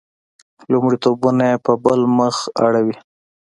لومړیتونه یې په بل مخ اړولي.